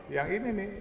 yang ini nih